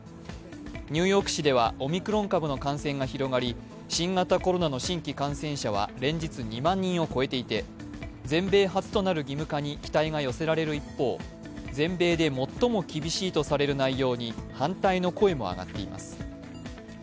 ニューヨーク市ではオミクロン株の感染が広がり、新型コロナの新規感染者は連日２万人を超えていて全米初となる義務化に期待が寄せられる一方、全米で最も厳しいと反対の声も上がっています。